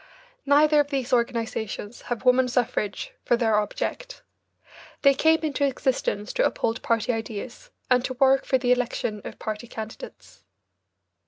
Neither of these organisations have woman suffrage for their object. They came into existence to uphold party ideas and to work for the election of party candidates.